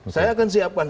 saya akan siapkan